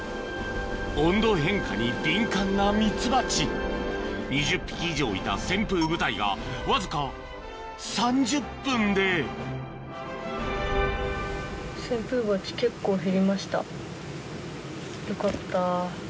温度変化に敏感なミツバチ２０匹以上いた扇風部隊がわずか３０分でよかった。